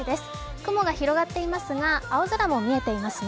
雲が広がっていますが青空も見えていますね。